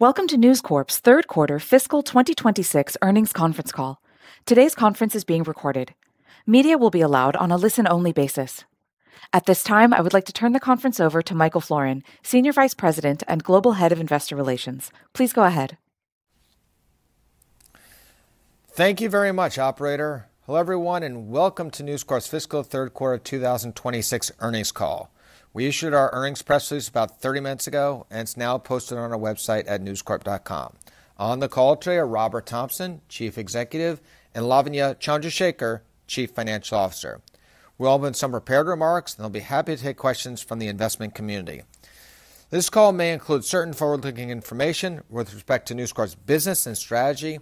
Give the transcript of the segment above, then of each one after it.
Welcome to News Corp's third quarter fiscal 2026 earnings conference call. Today's conference is being recorded. Media will be allowed on a listen-only basis. At this time, I would like to turn the conference over to Michael Florin, Senior Vice President and Global Head of Investor Relations. Please go ahead. Thank you very much, operator. Hello, everyone, and welcome to News Corp's fiscal 3rd quarter 2026 earnings call. We issued our earnings press release about 30 minutes ago, and it's now posted on our website at newscorp.com. On the call today are Robert Thomson, Chief Executive, and Lavanya Chandrashekar, Chief Financial Officer. We'll open with some prepared remarks, then they'll be happy to take questions from the investment community. This call may include certain forward-looking information with respect to News Corp's business and strategy.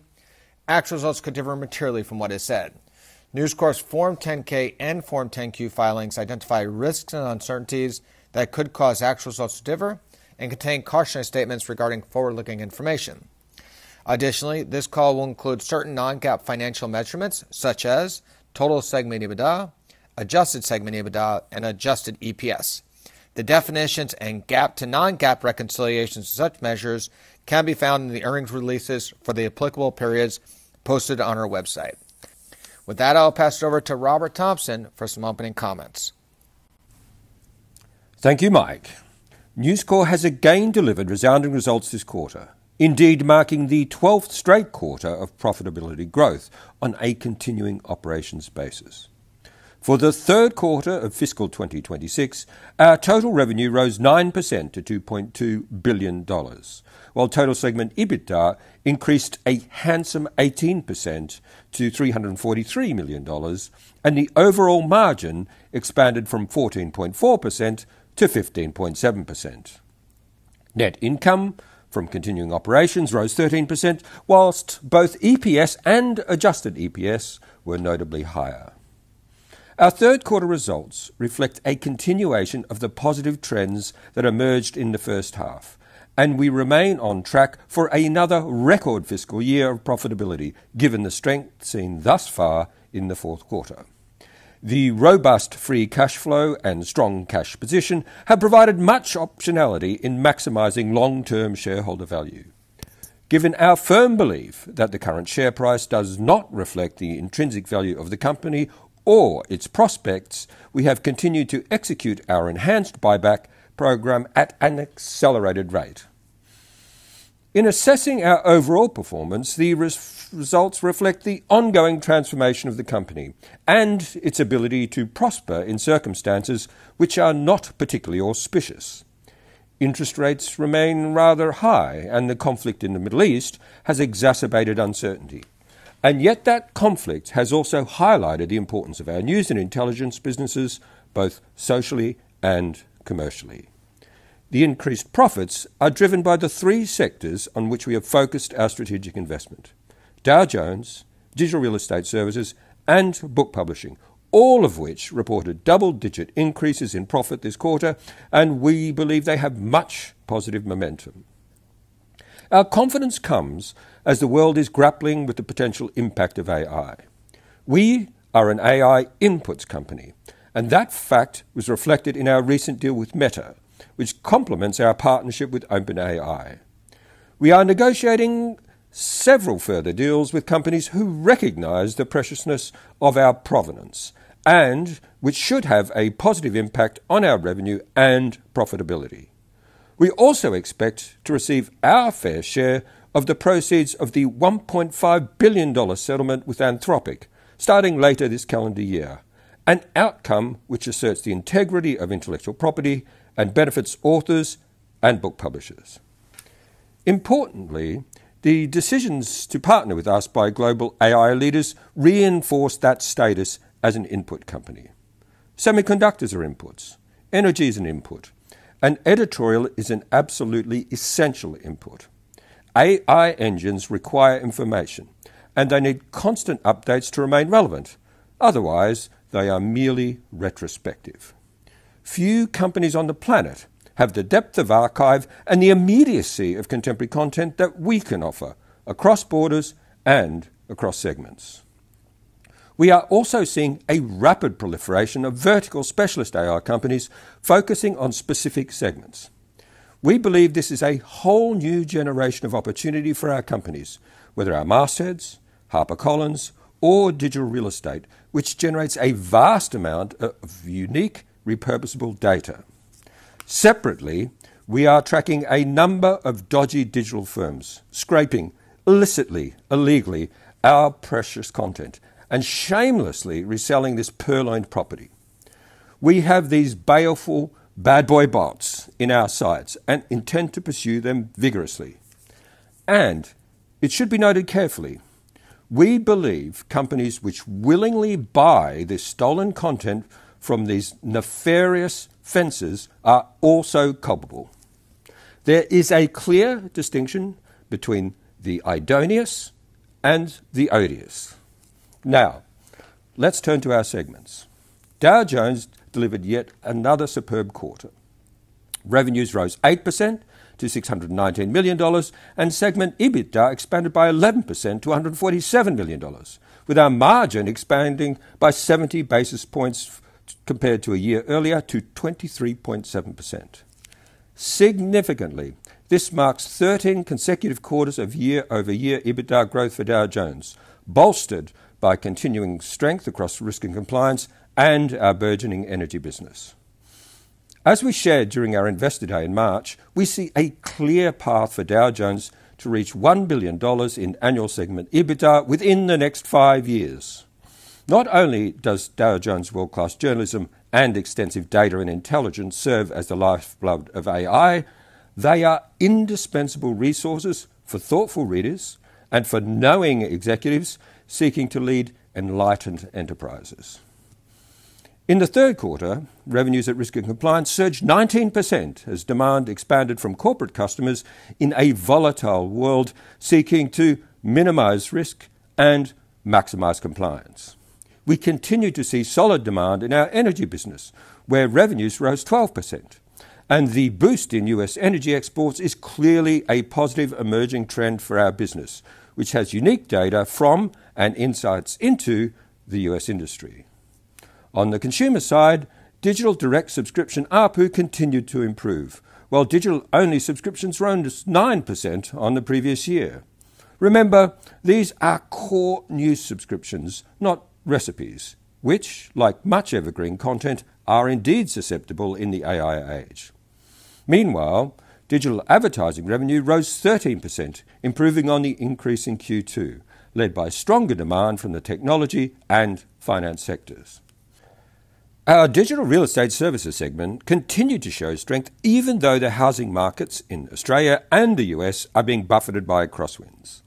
Actual results could differ materially from what is said. News Corp's Form 10-K and Form 10-Q filings identify risks and uncertainties that could cause actual results to differ and contain cautionary statements regarding forward-looking information. Additionally, this call will include certain non-GAAP financial measurements, such as total segment EBITDA, adjusted segment EBITDA, and adjusted EPS. The definitions and GAAP to non-GAAP reconciliations to such measures can be found in the earnings releases for the applicable periods posted on our website. With that, I'll pass it over to Robert Thomson for some opening comments. Thank you, Mike. News Corp has again delivered resounding results this quarter, indeed marking the 12th straight quarter of profitability growth on a continuing operations basis. For the third quarter of fiscal 2026, our total revenue rose 9% to $2.2 billion, while total segment EBITDA increased a handsome 18% to $343 million, and the overall margin expanded from 14.4% to 15.7%. Net income from continuing operations rose 13%, whilst both EPS and adjusted EPS were notably higher. Our third quarter results reflect a continuation of the positive trends that emerged in the first half. We remain on track for another record fiscal year of profitability, given the strength seen thus far in the fourth quarter. The robust free cash flow and strong cash position have provided much optionality in maximizing long-term shareholder value. Given our firm belief that the current share price does not reflect the intrinsic value of the company or its prospects, we have continued to execute our enhanced buyback program at an accelerated rate. In assessing our overall performance, the results reflect the ongoing transformation of the company and its ability to prosper in circumstances which are not particularly auspicious. Interest rates remain rather high, and the conflict in the Middle East has exacerbated uncertainty. Yet that conflict has also highlighted the importance of our news and intelligence businesses, both socially and commercially. The increased profits are driven by the three sectors on which we have focused our strategic investment: Dow Jones, Digital Real Estate Services, and Book Publishing, all of which reported double-digit increases in profit this quarter, and we believe they have much positive momentum. Our confidence comes as the world is grappling with the potential impact of AI. We are an AI inputs company, and that fact was reflected in our recent deal with Meta, which complements our partnership with OpenAI. We are negotiating several further deals with companies who recognize the preciousness of our provenance and which should have a positive impact on our revenue and profitability. We also expect to receive our fair share of the proceeds of the $1.5 billion settlement with Anthropic starting later this calendar year, an outcome which asserts the integrity of intellectual property and benefits authors and book publishers. Importantly, the decisions to partner with us by global AI leaders reinforce that status as an input company. Semiconductors are inputs. Energy is an input. Editorial is an absolutely essential input. AI engines require information, and they need constant updates to remain relevant. Otherwise, they are merely retrospective. Few companies on the planet have the depth of archive and the immediacy of contemporary content that we can offer across borders and across segments. We are also seeing a rapid proliferation of vertical specialist AI companies focusing on specific segments. We believe this is a whole new generation of opportunity for our companies, whether our mastheads, HarperCollins, or Digital Real Estate, which generates a vast amount of unique repurposable data. Separately, we are tracking a number of dodgy digital firms scraping illicitly, illegally our precious content and shamelessly reselling this purloined property. We have these baleful bad boy bots in our sights and intend to pursue them vigorously. It should be noted carefully, we believe companies which willingly buy this stolen content from these nefarious fences are also culpable. There is a clear distinction between the idoneous and the odious. Now, let's turn to our segments. Dow Jones delivered yet another superb quarter. Revenues rose 8% to $619 million, and segment EBITDA expanded by 11% to $147 million, with our margin expanding by 70 basis points Compared to a year-earlier to 23.7%. Significantly, this marks 13 consecutive quarters of year-over-year EBITDA growth for Dow Jones, bolstered by continuing strength across Risk & Compliance and our burgeoning Energy business. As we shared during our Investor Day in March, we see a clear path for Dow Jones to reach $1 billion in annual segment EBITDA within the next five years. Not only does Dow Jones' world-class journalism and extensive data and intelligence serve as the lifeblood of AI, they are indispensable resources for thoughtful readers and for knowing executives seeking to lead enlightened enterprises. In the third quarter, revenues at Risk & Compliance surged 19% as demand expanded from corporate customers in a volatile world seeking to minimize risk and maximize compliance. We continue to see solid demand in our Energy business, where revenues rose 12%, and the boost in U.S. energy exports is clearly a positive emerging trend for our business, which has unique data from and insights into the U.S. industry. On the consumer side, digital direct subscription ARPU continued to improve, while digital-only subscriptions rose 9% on the previous year. Remember, these are core news subscriptions, not recipes, which, like much evergreen content, are indeed susceptible in the AI age. Digital advertising revenue rose 13%, improving on the increase in Q2, led by stronger demand from the technology and finance sectors. Our Digital Real Estate Services segment continued to show strength even though the housing markets in Australia and the U.S. are being buffeted by crosswinds.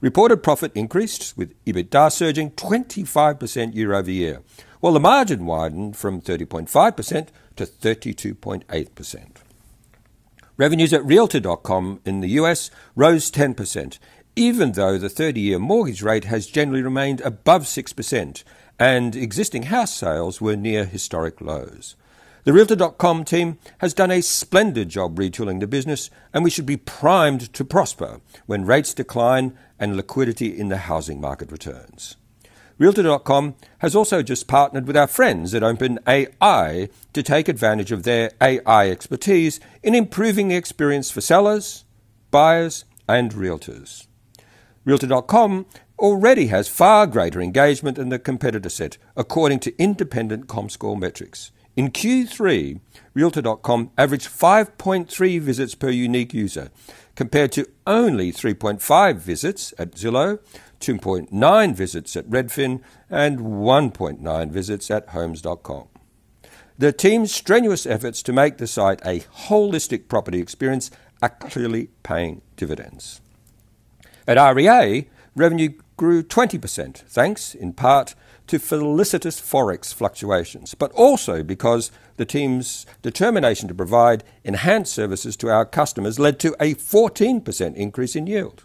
Reported profit increased, with EBITDA surging 25% year-over-year, while the margin widened from 30.5% to 32.8%. Revenues at Realtor.com in the U.S. rose 10%, even though the 30-year mortgage rate has generally remained above 6% and existing house sales were near historic lows. The Realtor.com team has done a splendid job retooling the business, and we should be primed to prosper when rates decline and liquidity in the housing market returns. Realtor.com has also just partnered with our friends at OpenAI to take advantage of their AI expertise in improving the experience for sellers, buyers, and realtors. Realtor.com already has far greater engagement than the competitor set, according to independent Comscore metrics. In Q3, Realtor.com averaged 5.3 visits per unique user, compared to only 3.5 visits at Zillow, 2.9 visits at Redfin, and 1.9 visits at Homes.com. The team's strenuous efforts to make the site a holistic property experience are clearly paying dividends. At REA, revenue grew 20%, thanks in part to felicitous Forex fluctuations, but also because the team's determination to provide enhanced services to our customers led to a 14% increase in yield.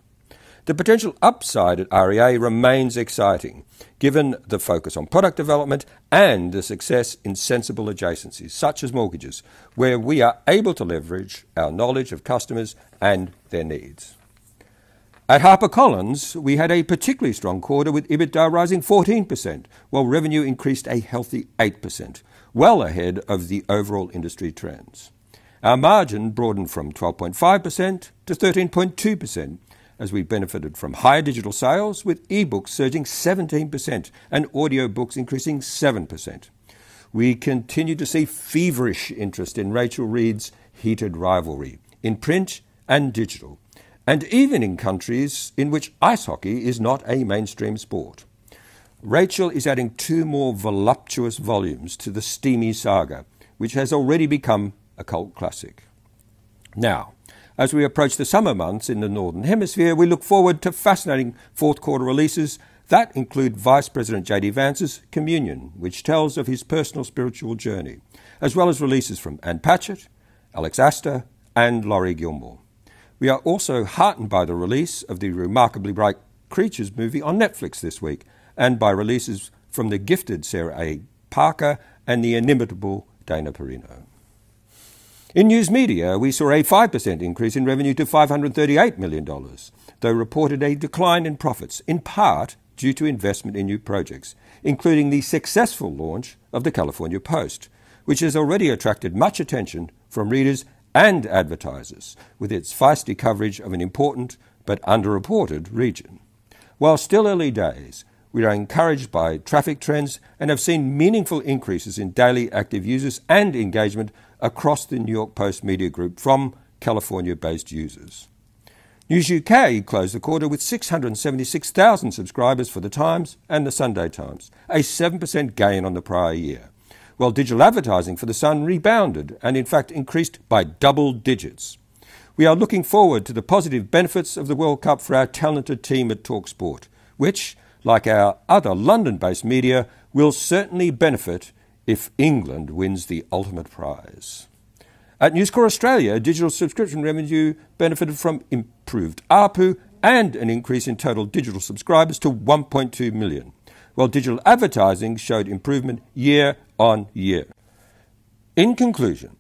The potential upside at REA remains exciting, given the focus on product development and the success in sensible adjacencies, such as mortgages, where we are able to leverage our knowledge of customers and their needs. At HarperCollins, we had a particularly strong quarter with EBITDA rising 14%, while revenue increased a healthy 8%, well ahead of the overall industry trends. Our margin broadened from 12.5% to 13.2% as we benefited from higher digital sales, with e-books surging 17% and audiobooks increasing 7%. We continue to see feverish interest in Rachel Reid's Heated Rivalry in print and digital, and even in countries in which ice hockey is not a mainstream sport. Rachel is adding two more voluptuous volumes to the steamy saga, which has already become a cult classic. Now, as we approach the summer months in the Northern Hemisphere, we look forward to fascinating fourth-quarter releases that include Vice President JD Vance's Communion, which tells of his personal spiritual journey, as well as releases from Ann Patchett, Alex Aster, and Laurie Gilmore. We are also heartened by the release of the Remarkably Bright Creatures movie on Netflix this week, and by releases from the gifted Sarah A. Parker and the inimitable Dana Perino. In News Media, we saw a 5% increase in revenue to $538 million, though reported a decline in profits, in part due to investment in new projects, including the successful launch of the California Post, which has already attracted much attention from readers and advertisers with its feisty coverage of an important but underreported region. While still early days, we are encouraged by traffic trends and have seen meaningful increases in daily active users and engagement across the New York Post media group from California-based users. News UK closed the quarter with 676,000 subscribers for The Times and The Sunday Times, a 7% gain on the prior year. While digital advertising for The Sun rebounded and, in fact, increased by double digits. We are looking forward to the positive benefits of the World Cup for our talented team at talkSPORT, which, like our other London-based media, will certainly benefit if England wins the ultimate prize. At News Corp Australia, digital subscription revenue benefited from improved ARPU and an increase in total digital subscribers to 1.2 million, while digital advertising showed improvement year-over-year. In conclusion,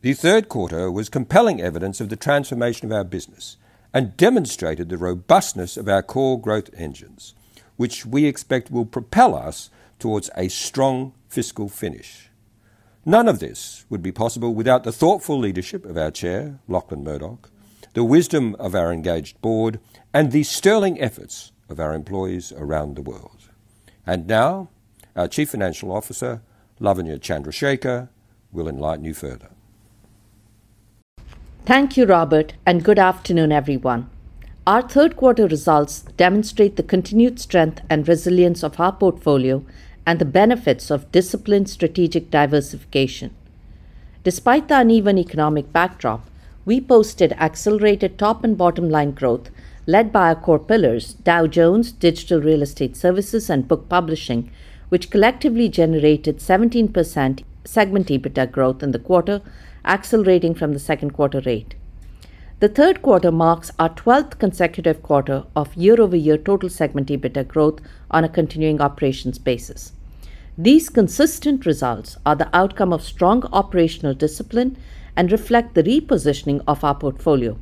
the third quarter was compelling evidence of the transformation of our business and demonstrated the robustness of our core growth engines, which we expect will propel us towards a strong fiscal finish. None of this would be possible without the thoughtful leadership of our Chair, Lachlan Murdoch, the wisdom of our engaged board, and the sterling efforts of our employees around the world. Now, our Chief Financial Officer, Lavanya Chandrashekar, will enlighten you further. Thank you, Robert, and good afternoon, everyone. Our third quarter results demonstrate the continued strength and resilience of our portfolio and the benefits of disciplined strategic diversification. Despite the uneven economic backdrop, we posted accelerated top and bottom line growth led by our core pillars, Dow Jones, Digital Real Estate Services, and Book Publishing, which collectively generated 17% segment EBITDA growth in the quarter, accelerating from the second quarter rate. The third quarter marks our 12th consecutive quarter of year-over-year total segment EBITDA growth on a continuing operations basis. These consistent results are the outcome of strong operational discipline and reflect the repositioning of our portfolio.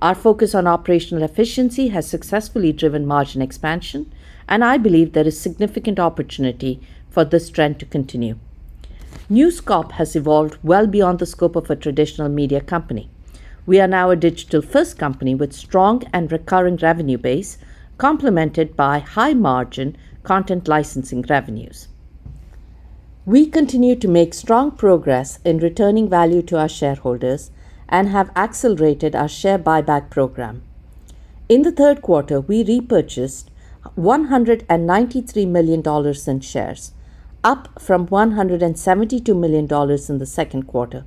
Our focus on operational efficiency has successfully driven margin expansion, and I believe there is significant opportunity for this trend to continue. News Corp has evolved well beyond the scope of a traditional media company. We are now a digital-first company with strong and recurring revenue base complemented by high margin content licensing revenues. We continue to make strong progress in returning value to our shareholders and have accelerated our share buyback program. In the third quarter, we repurchased $193 million in shares, up from $172 million in the second quarter,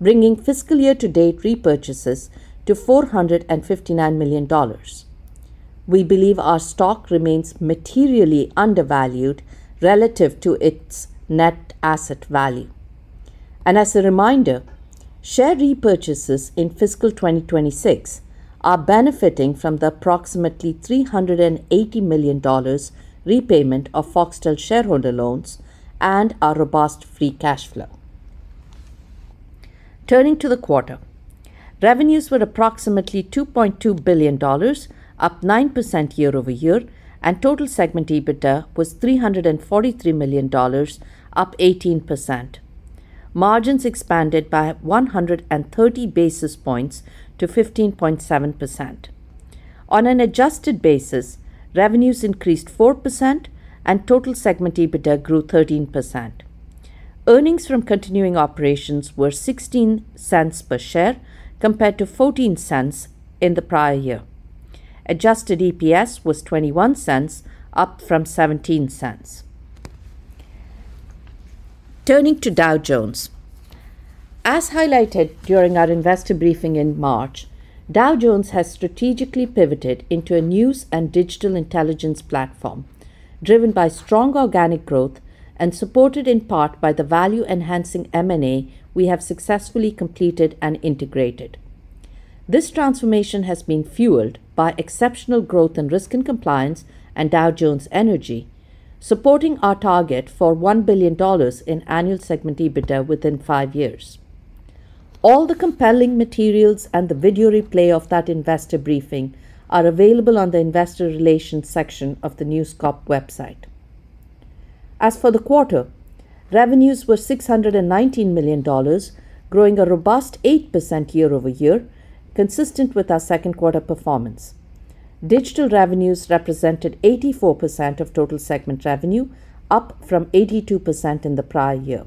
bringing fiscal year-to-date repurchases to $459 million. We believe our stock remains materially undervalued relative to its net asset value. As a reminder, share repurchases in FY 2026 are benefiting from the approximately $380 million repayment of Foxtel shareholder loans and our robust free cash flow. Turning to the quarter, revenues were approximately $2.2 billion, up 9% year-over-year, and total segment EBITDA was $343 million, up 18%. Margins expanded by 130 basis points to 15.7%. On an adjusted basis, revenues increased 4% and total segment EBITDA grew 13%. Earnings from continuing operations were $0.16 per share compared to $0.14 in the prior year. Adjusted EPS was $0.21, up from $0.17. Turning to Dow Jones. As highlighted during our investor briefing in March, Dow Jones has strategically pivoted into a news and digital intelligence platform, driven by strong organic growth and supported in part by the value-enhancing M&A we have successfully completed and integrated. This transformation has been fueled by exceptional growth in Risk & Compliance and Dow Jones Energy, supporting our target for $1 billion in annual segment EBITDA within five years. All the compelling materials and the video replay of that investor briefing are available on the investor relations section of the newscorp.com website. For the quarter, revenues were $619 million, growing a robust 8% year-over-year, consistent with our second quarter performance. Digital revenues represented 84% of total segment revenue, up from 82% in the prior year.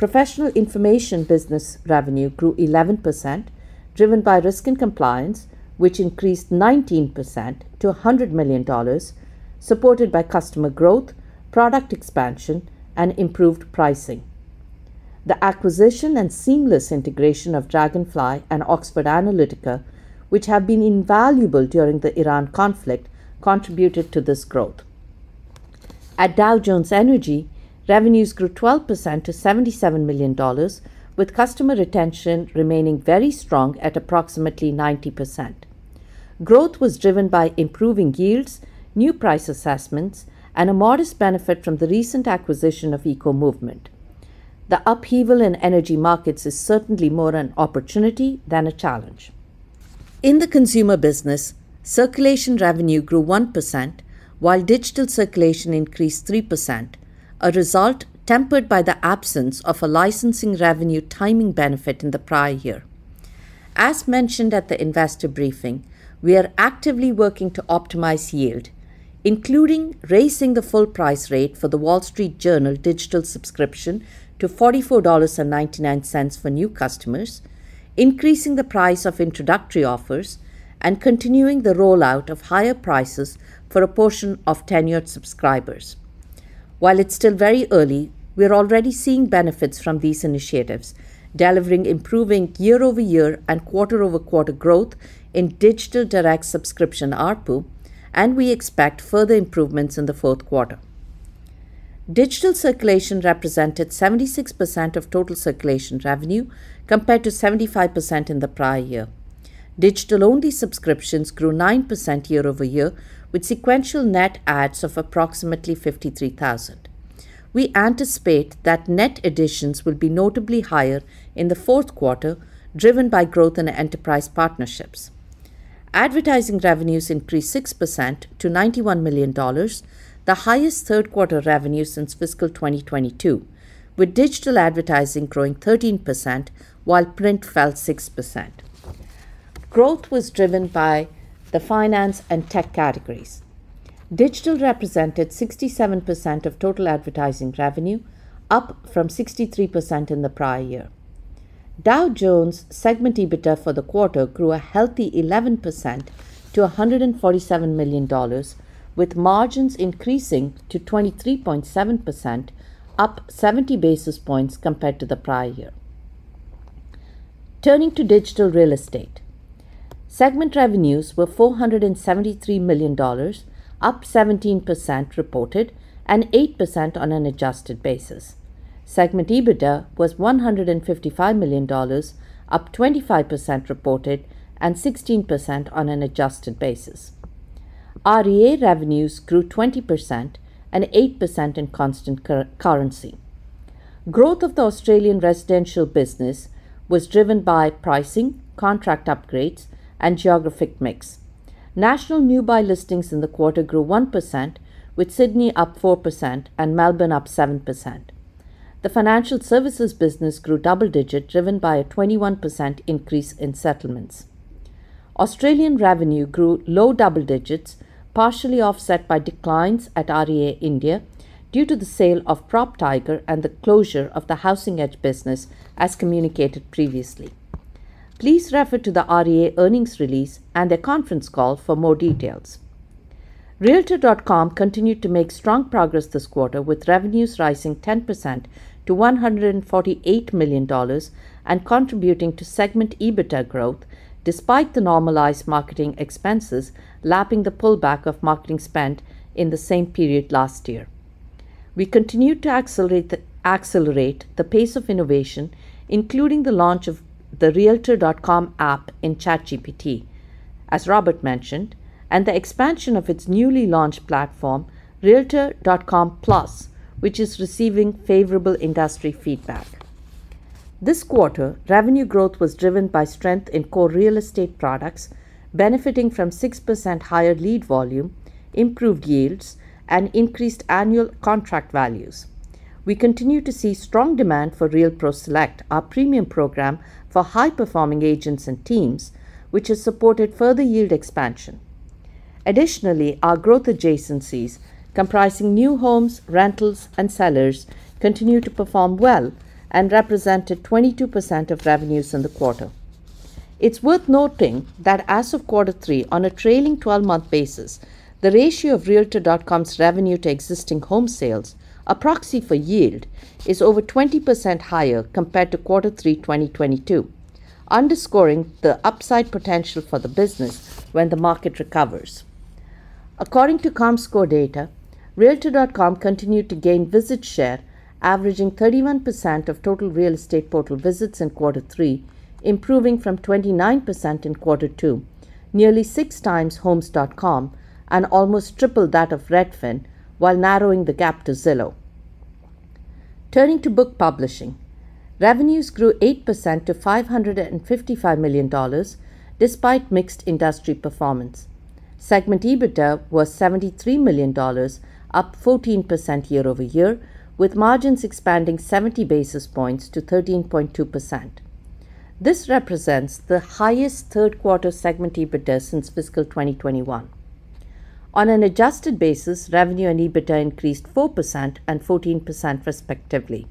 Professional Information Business revenue grew 11%, driven by Risk & Compliance, which increased 19% to $100 million, supported by customer growth, product expansion, and improved pricing. The acquisition and seamless integration of Dragonfly and Oxford Analytica, which have been invaluable during the Iran conflict, contributed to this growth. At Dow Jones Energy, revenues grew 12% to $77 million, with customer retention remaining very strong at approximately 90%. Growth was driven by improving yields, new price assessments, and a modest benefit from the recent acquisition of Eco-Movement. The upheaval in energy markets is certainly more an opportunity than a challenge. In the consumer business, circulation revenue grew 1%, while digital circulation increased 3%, a result tempered by the absence of a licensing revenue timing benefit in the prior year. As mentioned at the investor briefing, we are actively working to optimize yield, including raising the full price rate for The Wall Street Journal digital subscription to $44.99 for new customers, increasing the price of introductory offers, and continuing the rollout of higher prices for a portion of tenured subscribers. While it's still very early, we are already seeing benefits from these initiatives, delivering improving year-over-year and quarter-over-quarter growth in digital direct subscription ARPU, and we expect further improvements in the fourth quarter. Digital circulation represented 76% of total circulation revenue compared to 75% in the prior year. Digital-only subscriptions grew 9% year-over-year with sequential net adds of approximately 53,000. We anticipate that net additions will be notably higher in the fourth quarter, driven by growth in enterprise partnerships. Advertising revenues increased 6% to $91 million, the highest third quarter revenue since fiscal 2022, with digital advertising growing 13%, while print fell 6%. Growth was driven by the finance and tech categories. Digital represented 67% of total advertising revenue, up from 63% in the prior year. Dow Jones segment EBITDA for the quarter grew a healthy 11% to $147 million, with margins increasing to 23.7%, up 70 basis points compared to the prior year. Turning to Digital Real Estate. Segment revenues were $473 million, up 17% reported and 8% on an adjusted basis. Segment EBITDA was $155 million, up 25% reported and 16% on an adjusted basis. REA revenues grew 20% and 8% in constant currency. Growth of the Australian residential business was driven by pricing, contract upgrades, and geographic mix. National new buy listings in the quarter grew 1%, with Sydney up 4% and Melbourne up 7%. The financial services business grew double digit, driven by a 21% increase in settlements. Australian revenue grew low double digits, partially offset by declines at REA India due to the sale of PropTiger and the closure of the Housing Edge business, as communicated previously. Please refer to the REA earnings release and their conference call for more details. Realtor.com continued to make strong progress this quarter, with revenues rising 10% to $148 million and contributing to segment EBITDA growth despite the normalized marketing expenses, lapping the pullback of marketing spend in the same period last year. We continued to accelerate the pace of innovation, including the launch of the Realtor.com app in ChatGPT, as Robert mentioned, and the expansion of its newly launched platform, Realtor.com+, which is receiving favorable industry feedback. This quarter, revenue growth was driven by strength in core real estate products, benefiting from 6% higher lead volume, improved yields, and increased annual contract values. We continue to see strong demand for RealPRO Select, our premium program for high-performing agents and teams, which has supported further yield expansion. Additionally, our growth adjacencies, comprising new homes, rentals, and sellers, continue to perform well and represented 22% of revenues in the quarter. It's worth noting that as of quarter three, on a trailing 12-month basis, the ratio of Realtor.com's revenue to existing home sales, a proxy for yield, is over 20% higher compared to quarter three 2022, underscoring the upside potential for the business when the market recovers. According to Comscore data, Realtor.com continued to gain visit share, averaging 31% of total real estate portal visits in quarter three, improving from 29% in quarter two, nearly six times Homes.com and almost triple that of Redfin while narrowing the gap to Zillow. Turning to Book Publishing, revenues grew 8% to $555 million despite mixed industry performance. Segment EBITDA was $73 million, up 14% year-over-year, with margins expanding 70 basis points to 13.2%. This represents the highest third quarter segment EBITDA since fiscal 2021. On an adjusted basis, revenue and EBITDA increased 4% and 14% respectively.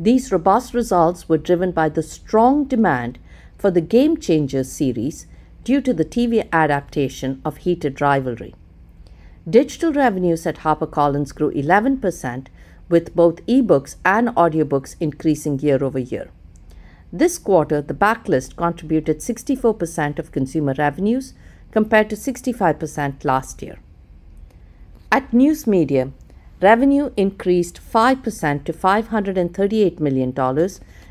These robust results were driven by the strong demand for the Game Changers series due to the TV adaptation of Heated Rivalry. Digital revenues at HarperCollins grew 11%, with both e-books and audiobooks increasing year-over-year. This quarter, the backlist contributed 64% of consumer revenues compared to 65% last year. At News Media, revenue increased 5% to $538 million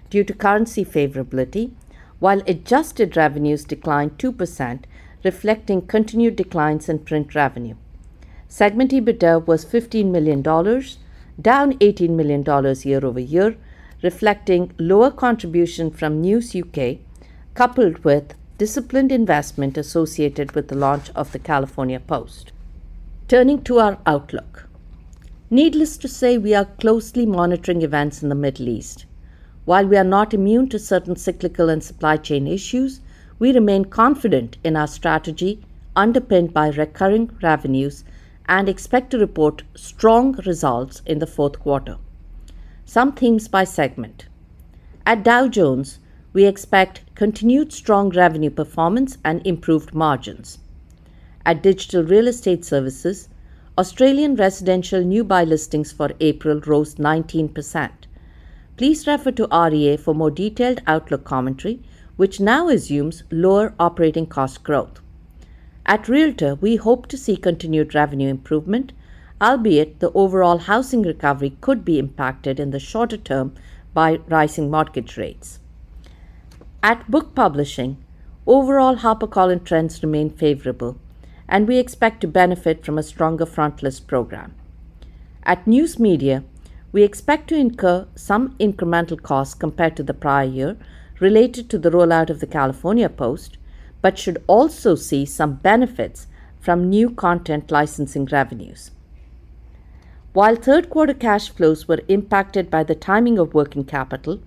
due to currency favorability, while adjusted revenues declined 2%, reflecting continued declines in print revenue. Segment EBITDA was $15 million, down $18 million year-over-year, reflecting lower contribution from News UK, coupled with disciplined investment associated with the launch of the California Post. Turning to our outlook. Needless to say, we are closely monitoring events in the Middle East. While we are not immune to certain cyclical and supply chain issues, we remain confident in our strategy underpinned by recurring revenues and expect to report strong results in the 4th quarter. Some themes by segment. At Dow Jones, we expect continued strong revenue performance and improved margins. At Digital Real Estate Services, Australian residential new buy listings for April rose 19%. Please refer to REA for more detailed outlook commentary, which now assumes lower operating cost growth. At Realtor, we hope to see continued revenue improvement, albeit the overall housing recovery could be impacted in the shorter term by rising mortgage rates. At Book Publishing, overall HarperCollins trends remain favorable, and we expect to benefit from a stronger frontlist program. At News Media, we expect to incur some incremental costs compared to the prior year related to the rollout of the California Post, but should also see some benefits from new content licensing revenues. While third quarter cash flows were impacted by the timing of working capital,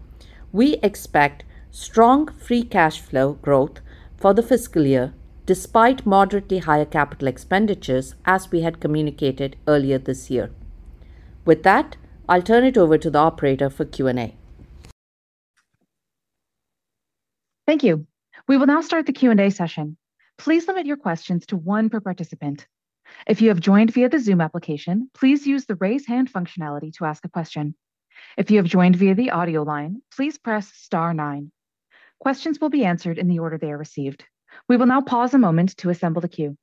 we expect strong free cash flow growth for the fiscal year, despite moderately higher capital expenditures, as we had communicated earlier this year. With that, I'll turn it over to the operator for Q&A. Thank you. We will now start the Q&A session. Please limit your questions to one per participant. If you have joined via the Zoom application, please use the raise hand functionality to ask a question. If you have joined via the audio line, please press star nine. Questions will be answered in the order they are received. We will now pause a moment to assemble the queue.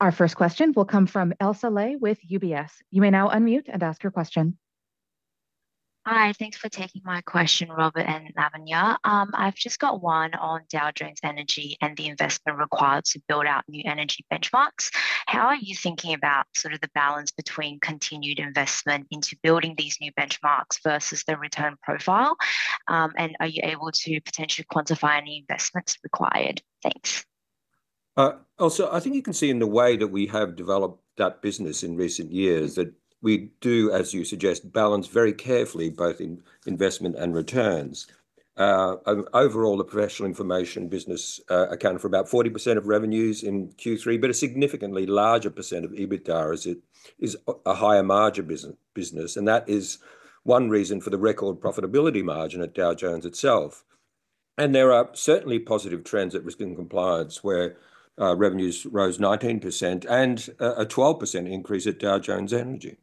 Our first question will come from Ailsa Lie with UBS. You may now unmute and ask your question. Hi, thanks for taking my question, Robert and Lavanya. I've just got one on Dow Jones Energy and the investment required to build out new energy benchmarks. How are you thinking about sort of the balance between continued investment into building these new benchmarks versus the return profile? Are you able to potentially quantify any investments required? Thanks. Ailsa, I think you can see in the way that we have developed that business in recent years that we do, as you suggest, balance very carefully both in investment and returns. Overall, the professional information business accounted for about 40% of revenues in Q3, but a significantly larger % of EBITDA as it is a higher margin business. That is one reason for the record profitability margin at Dow Jones itself. There are certainly positive trends at Risk & Compliance where revenues rose 19% and a 12% increase at Dow Jones Energy.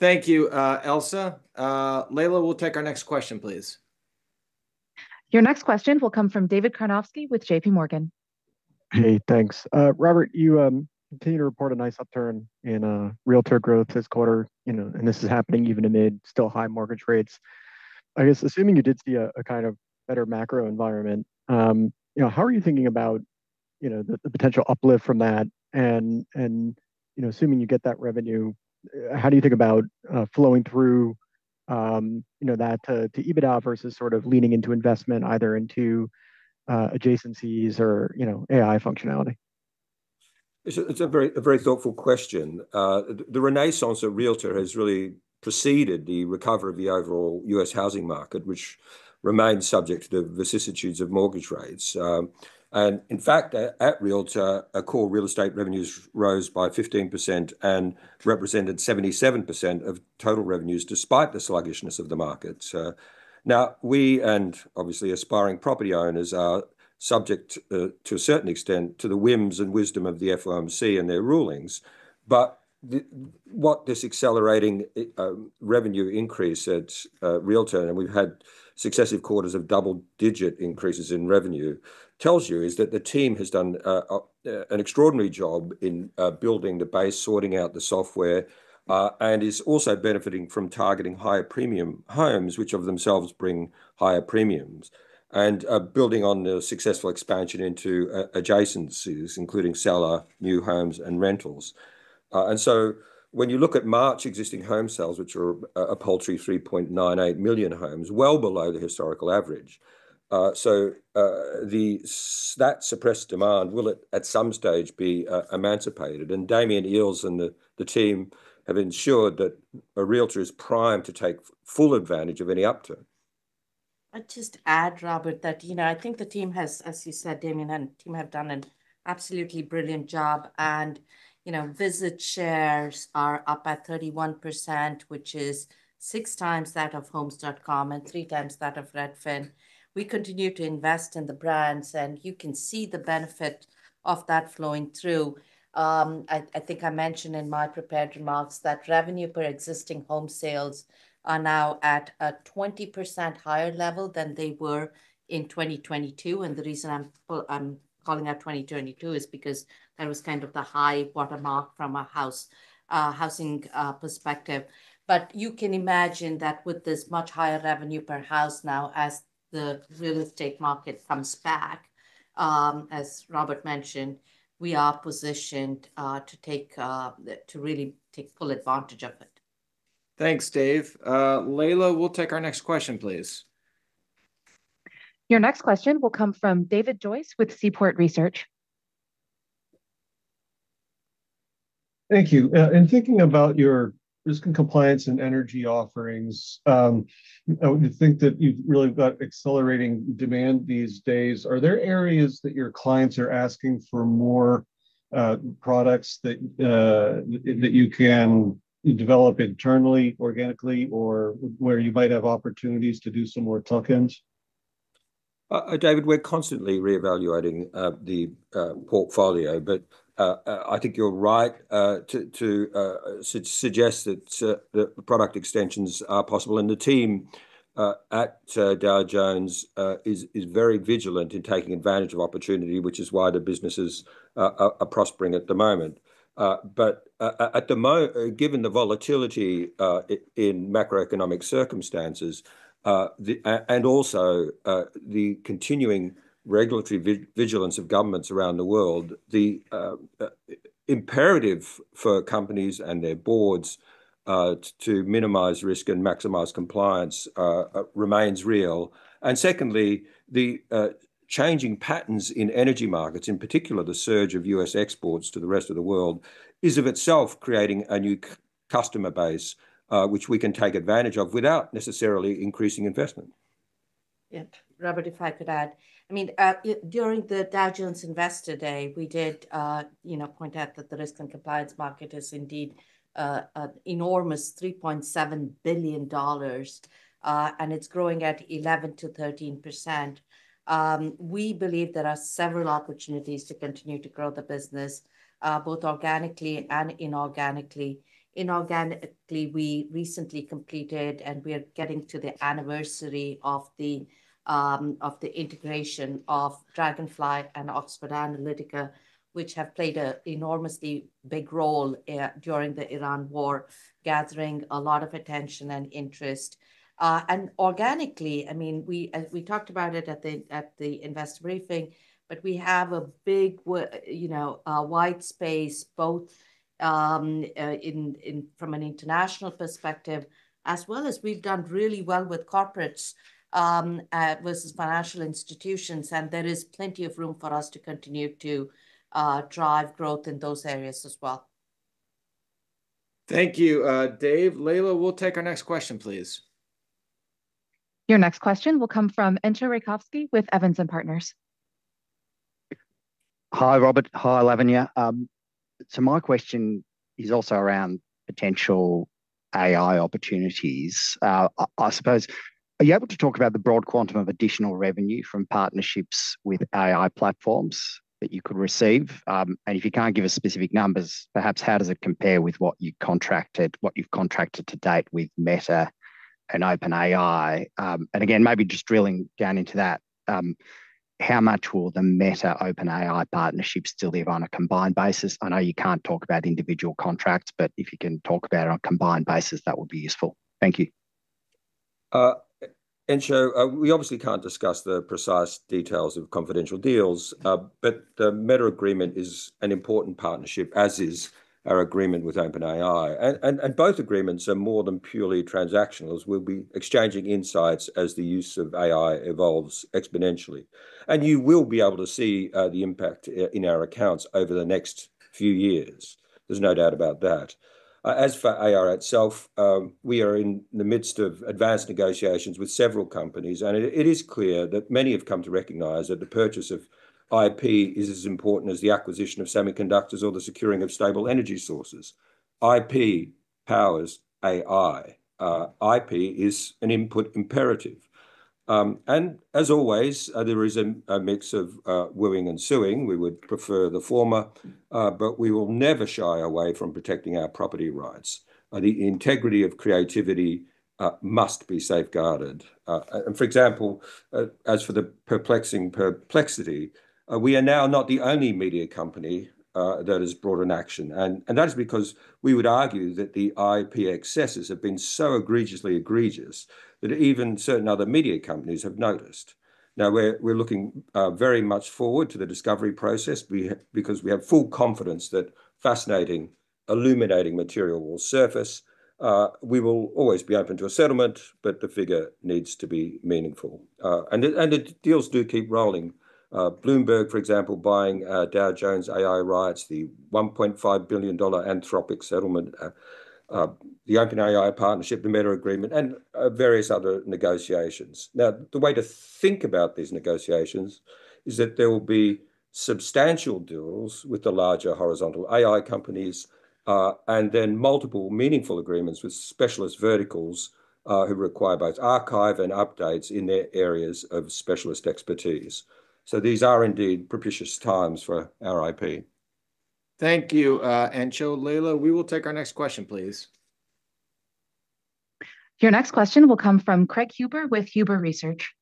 Thank you, Ailsa. Layla, we'll take our next question, please. Your next question will come from David Karnovsky with JPMorgan. Hey, thanks. Robert, you continue to report a nice upturn in Realtor growth this quarter, you know, and this is happening even amid still high mortgage rates. I guess, assuming you did see a kind of better macro environment, you know, how are you thinking about, you know, the potential uplift from that and, you know, assuming you get that revenue, how do you think about flowing through, you know, that to to EBITDA versus sort of leaning into investment either into adjacencies or, you know, AI functionality? It's a very thoughtful question. The renaissance of Realtor has really preceded the recovery of the overall U.S. housing market, which remains subject to the vicissitudes of mortgage rates. In fact, at Realtor, our core real estate revenues rose by 15% and represented 77% of total revenues despite the sluggishness of the market. Now, we and obviously aspiring property owners are subject to a certain extent to the whims and wisdom of the FOMC and their rulings. What this accelerating revenue increase at Realtor, and we've had successive quarters of double-digit increases in revenue, tells you is that the team has done an extraordinary job in building the base, sorting out the software, and is also benefiting from targeting higher premium homes, which of themselves bring higher premiums, and building on the successful expansion into adjacencies, including seller, new homes, and rentals. When you look at March existing home sales, which are a paltry 3.98 million homes, well below the historical average, so that suppressed demand will at some stage be emancipated. Damian Eales and the team have ensured that Realtor is primed to take full advantage of any upturn. I'd just add, Robert, that I think the team has, as you said, Damian Eales and team have done an absolutely brilliant job. Visit shares are up at 31%, which is 6x that of Homes.com and 3x that of Redfin. We continue to invest in the brands, and you can see the benefit of that flowing through. I think I mentioned in my prepared remarks that revenue per existing home sales are now at a 20% higher level than they were in 2022. The reason I'm calling out 2022 is because that was kind of the high watermark from a house, housing perspective. You can imagine that with this much higher revenue per house now as the real estate market comes back, as Robert mentioned, we are positioned to take to really take full advantage of it. Thanks, Dave. Layla, we'll take our next question, please. Your next question will come from David Joyce with Seaport Research. Thank you. In thinking about your Risk & Compliance and Energy offerings, I would think that you've really got accelerating demand these days. Are there areas that your clients are asking for more products that you can develop internally, organically, or where you might have opportunities to do some more tuck-ins? David, we're constantly reevaluating the portfolio. I think you're right to suggest that the product extensions are possible. The team at Dow Jones is very vigilant in taking advantage of opportunity, which is why the business is prospering at the moment. Given the volatility in macroeconomic circumstances and also the continuing regulatory vigilance of governments around the world, the imperative for companies and their boards to minimize risk and maximize compliance remains real. Secondly, the changing patterns in energy markets, in particular the surge of U.S. exports to the rest of the world, is of itself creating a new customer base, which we can take advantage of without necessarily increasing investment. Robert, if I could add. I mean, during the Dow Jones Investor Day, we did, you know, point out that the risk and compliance market is indeed a enormous $3.7 billion, and it's growing at 11%-13%. We believe there are several opportunities to continue to grow the business both organically and inorganically. Inorganically, we recently completed and we are getting to the anniversary of the integration of Dragonfly and Oxford Analytica, which have played a enormously big role during the Iran war, gathering a lot of attention and interest. Organically, I mean, we talked about it at the investor briefing, but we have a big, you know, a wide space both in from an international perspective, as well as we've done really well with corporates, versus financial institutions, and there is plenty of room for us to continue to drive growth in those areas as well. Thank you, Dave. Layla, we'll take our next question, please. Your next question will come from Entcho Raykovski with Evans & Partners. Hi, Robert. Hi, Lavanya. My question is also around potential AI opportunities. I suppose, are you able to talk about the broad quantum of additional revenue from partnerships with AI platforms that you could receive? If you can't give us specific numbers, perhaps how does it compare with what you've contracted to date with Meta and OpenAI? Again, maybe just drilling down into that, how much will the Meta, OpenAI partnership deliver on a combined basis? I know you can't talk about individual contracts, but if you can talk about it on a combined basis, that would be useful. Thank you. Entcho, we obviously can't discuss the precise details of confidential deals. The Meta agreement is an important partnership, as is our agreement with OpenAI. Both agreements are more than purely transactional, as we'll be exchanging insights as the use of AI evolves exponentially. You will be able to see the impact in our accounts over the next few years. There's no doubt about that. As for AI itself, we are in the midst of advanced negotiations with several companies, it is clear that many have come to recognize that the purchase of IP is as important as the acquisition of semiconductors or the securing of stable energy sources. IP powers AI. IP is an input imperative. As always, there is a mix of wooing and suing. We would prefer the former. We will never shy away from protecting our property rights. The integrity of creativity must be safeguarded. For example, as for the perplexing Perplexity, we are now not the only media company that has brought an action. That is because we would argue that the IP excesses have been so egregiously egregious that even certain other media companies have noticed. We're looking very much forward to the discovery process. Because we have full confidence that fascinating, illuminating material will surface. We will always be open to a settlement, but the figure needs to be meaningful. It deals do keep rolling. Bloomberg, for example, buying Dow Jones AI rights, the $1.5 billion Anthropic settlement, the OpenAI partnership, the Meta agreement, and various other negotiations. The way to think about these negotiations is that there will be substantial deals with the larger horizontal AI companies, and then multiple meaningful agreements with specialist verticals, who require both archive and updates in their areas of specialist expertise. These are indeed propitious times for our IP. Thank you, Entcho. Layla, we will take our next question, please. Your next question will come from Craig Huber with Huber Research.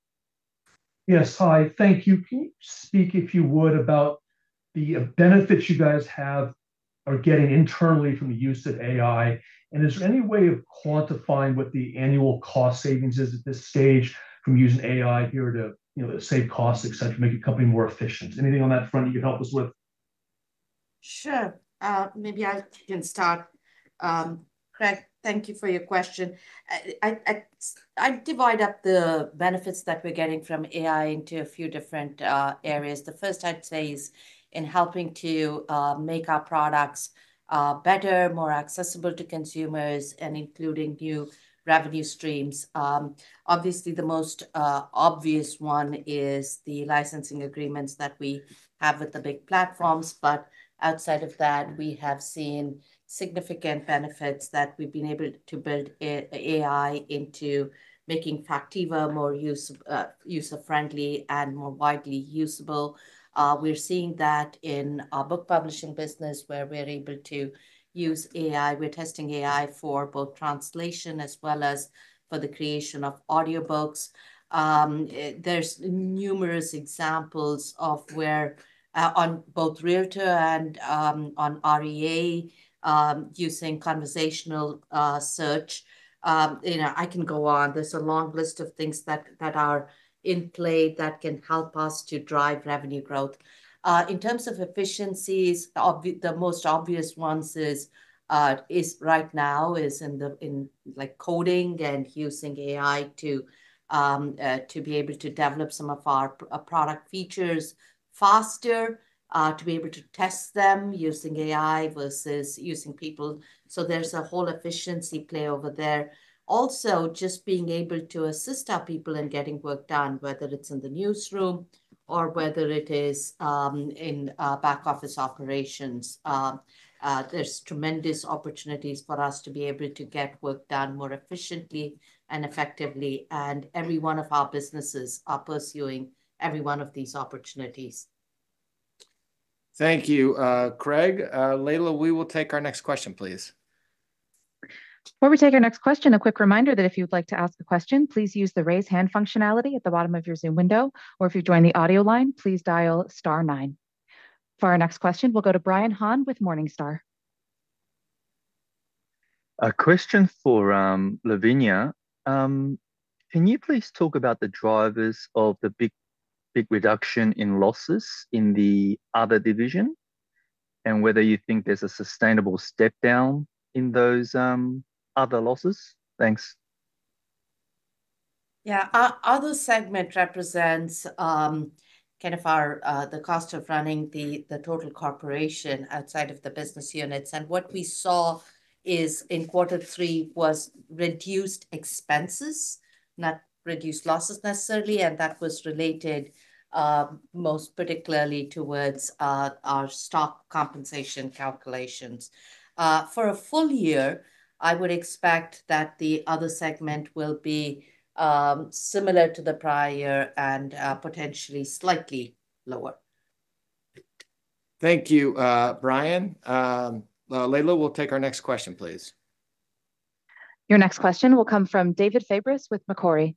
Yes. Hi. Thank you. Can you speak, if you would, about the benefits you guys have or are getting internally from the use of AI? Is there any way of quantifying what the annual cost savings is at this stage from using AI here to, you know, to save costs, et cetera, make your company more efficient? Anything on that front you could help us with? Sure. Maybe I can start. Craig, thank you for your question. I divide up the benefits that we're getting from AI into a few different areas. The first I'd say is in helping to make our products better, more accessible to consumers, including new revenue streams. Obviously the most obvious one is the licensing agreements that we have with the big platforms. Outside of that, we have seen significant benefits that we've been able to build AI into making Factiva more user-friendly and more widely usable. We're seeing that in our Book Publishing business where we're able to use AI. We're testing AI for both translation as well as for the creation of audiobooks. There's numerous examples of where on both Realtor and on REA, using conversational search. You know, I can go on. There's a long list of things that are in play that can help us to drive revenue growth. In terms of efficiencies, the most obvious ones is right now is in the coding and using AI to be able to develop some of our product features faster, to be able to test them using AI versus using people. There's a whole efficiency play over there. Also, just being able to assist our people in getting work done, whether it's in the newsroom or whether it is in back office operations. There's tremendous opportunities for us to be able to get work done more efficiently and effectively, and every one of our businesses are pursuing every one of these opportunities. Thank you, Craig. Layla, we will take our next question please. Before we take our next question, a quick reminder that if you would like to ask a question, please use the raise hand functionality at the bottom of your Zoom window. Or if you join the audio line, please dial star nine. For our next question, we'll go to Brian Han with Morningstar. A question for, Lavanya, can you please talk about the drivers of the big, big reduction in losses in the other division, and whether you think there's a sustainable step down in those other losses? Thanks. Yeah. Our other segment represents, kind of our, the cost of running the total corporation outside of the business units. What we saw is in quarter three was reduced expenses, not reduced losses necessarily, and that was related most particularly towards our stock compensation calculations. For a full year, I would expect that the other segment will be similar to the prior year and potentially slightly lower. Thank you, Brian. Layla, we'll take our next question please. Your next question will come from David Fabris with Macquarie.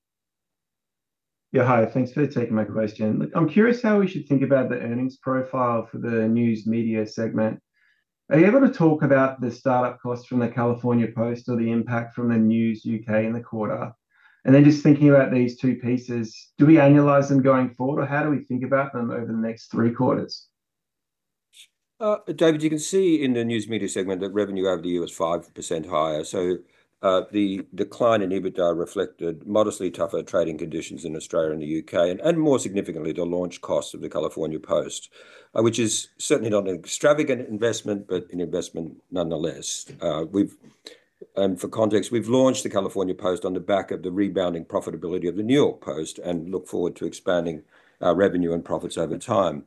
Yeah, hi. Thanks for taking my question. Look, I'm curious how we should think about the earnings profile for the News Media segment. Are you able to talk about the startup costs from the California Post or the impact from the News UK in the quarter? Just thinking about these two pieces, do we annualize them going forward, or how do we think about them over the next three quarters? David, you can see in the News Media segment that revenue over the year was 5% higher. The decline in EBITDA reflected modestly tougher trading conditions in Australia and the U.K., more significantly, the launch cost of the California Post. Which is certainly not an extravagant investment, but an investment nonetheless. And for context, we've launched the California Post on the back of the rebounding profitability of the New York Post and look forward to expanding revenue and profits over time.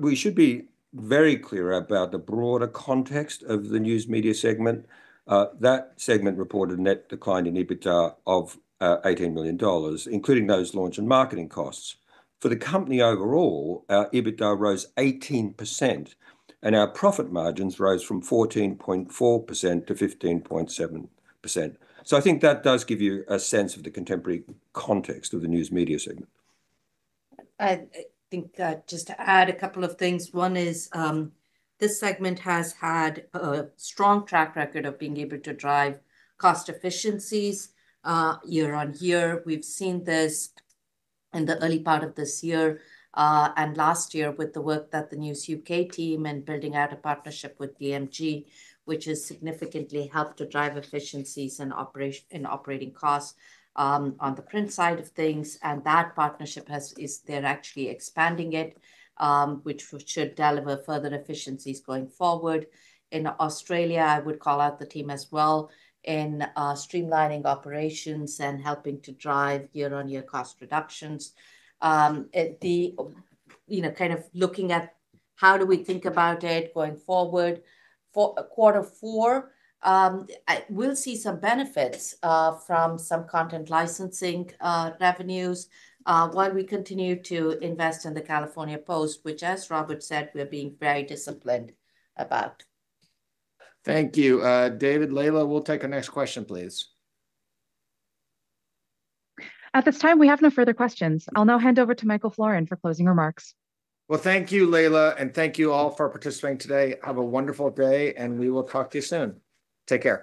We should be very clear about the broader context of the News Media segment. That segment reported net decline in EBITDA of $18 million, including those launch and marketing costs. For the company overall, our EBITDA rose 18%, and our profit margins rose from 14.4% to 15.7%. I think that does give you a sense of the contemporary context of the News Media segment. I think, just to add a couple of things. 1 is, this segment has had a strong track record of being able to drive cost efficiencies, year-over-year. We've seen this in the early part of this year, and last year with the work that the News UK team and building out a partnership with DMG, which has significantly helped to drive efficiencies in operating costs on the print side of things. That partnership is, they're actually expanding it, which should deliver further efficiencies going forward. In Australia, I would call out the team as well in streamlining operations and helping to drive year-over-year cost reductions. At the, you know, kind of looking at how do we think about it going forward. For quarter four, we'll see some benefits from some content licensing revenues, while we continue to invest in the California Post, which as Robert said, we're being very disciplined about. Thank you, David. Layla, we'll take our next question please. At this time, we have no further questions. I'll now hand over to Michael Florin for closing remarks. Well, thank you, Layla, and thank you all for participating today. Have a wonderful day, and we will talk to you soon. Take care.